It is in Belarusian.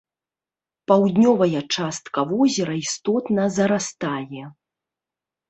Паўднёвая частка возера істотна зарастае.